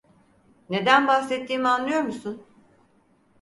Neden bahsettiğimi anlıyor musun?